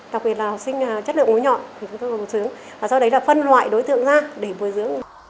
đặc biệt là học sinh chất lượng ngũ nhọn và sau đấy là phân loại đối tượng ra để bồi dưỡng